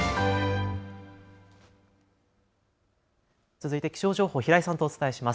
続いて気象情報、平井さんとお伝えします。